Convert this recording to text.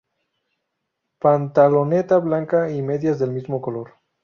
Pantaloneta blanca y medias del mismo color.